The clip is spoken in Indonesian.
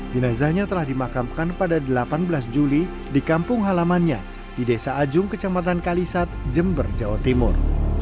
jenazahnya telah dimakamkan pada delapan belas juli di kampung halamannya di desa ajung kecamatan kalisat jember jawa timur